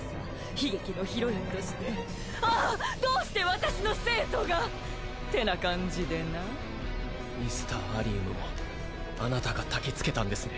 悲劇のヒロインとしてああどうして私の生徒が！ってな感じでなミスターアリウムもあなたがたきつけたんですね